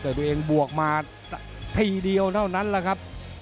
แต่ตัวเองบวกมาทีเดียวเท่านั้นแหละครับ